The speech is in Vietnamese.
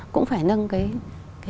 cũng phải nâng cấp